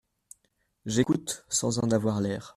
J'écoute, sans en avoir l'air.